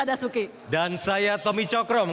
dan kita hanya sibuk bilang